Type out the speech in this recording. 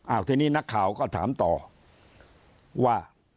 ทีนี้นักข่าวก็ถามต่อว่า